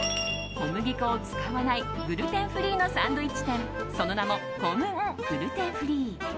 小麦粉を使わないグルテンフリーのサンドイッチ店その名もコム・ングルテンフリー。